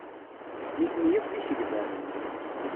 Nitni akk d isegbaren.